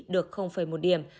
được một điểm